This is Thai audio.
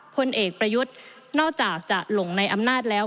พลเอกประยุทธ์นอกจากจะหลงในอำนาจแล้ว